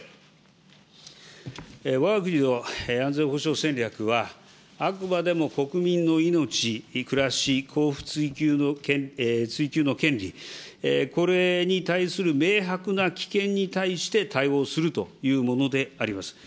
わが国の安全保障戦略は、あくまでも国民の命、暮らし、幸福追求の権利、これに対する明白な危険に対して対応するというものであります。